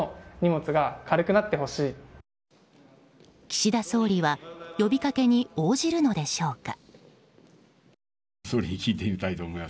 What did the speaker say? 岸田総理は呼びかけに応じるのでしょうか。